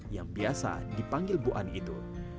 yang biasa dipanggil bu ani itu